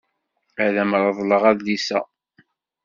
Ad am-reḍleɣ adlis-a.